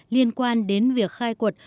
liên quan đến việc khai cuộc